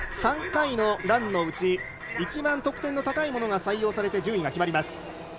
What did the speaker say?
３回のランのうち一番得点の高いものが採用されて順位が決まります。